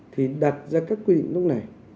thì đặt ra các quy định lúc này